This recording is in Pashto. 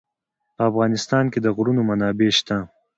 په افغانستان کې د غرونه منابع شته.